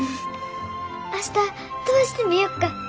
明日飛ばしてみよっか！